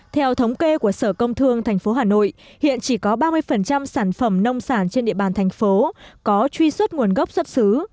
theo thống kê của sở công thương tp hà nội hiện chỉ có ba mươi sản phẩm nông sản trên địa bàn thành phố có truy xuất nguồn gốc xuất xứ